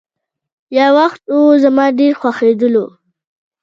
يو وخت وو، زما ډېر خوښيدلو.